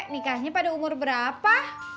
nikahnya pada umur berapa